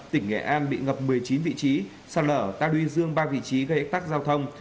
tỉnh nghệ an bị ngập một mươi chín vị trí sạt lở tàu đuy dương ba vị trí gây ếch tắc giao thông